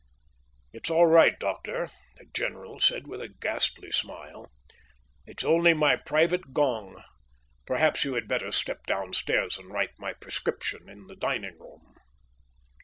"It's all right, doctor," the general said with a ghastly smile. "It's only my private gong. Perhaps you had better step downstairs and write my prescription in the dining room."